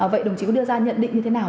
vậy đồng chí có đưa ra nhận định như thế nào